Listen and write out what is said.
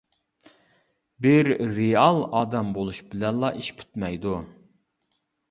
-بىر رېئال ئادەم بولۇش بىلەنلا ئىش پۈتمەيدۇ.